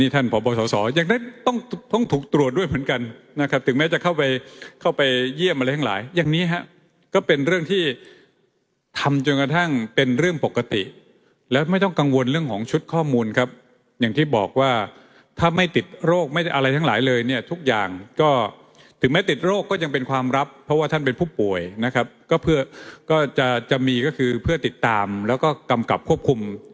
อย่างนั้นต้องต้องถูกตรวจด้วยเหมือนกันนะครับถึงแม้จะเข้าไปเข้าไปเยี่ยมอะไรทั้งหลายอย่างนี้ฮะก็เป็นเรื่องที่ทำจนกระทั่งเป็นเรื่องปกติแล้วไม่ต้องกังวลเรื่องของชุดข้อมูลครับอย่างที่บอกว่าถ้าไม่ติดโรคไม่อะไรทั้งหลายเลยเนี่ยทุกอย่างก็ถึงแม้ติดโรคก็ยังเป็นความรับเพราะว่าท่านเป็นผู้ป่วยนะครับก